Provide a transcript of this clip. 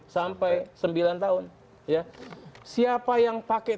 siapa yang pakai